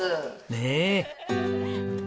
ねえ。